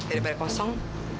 lebih baik posong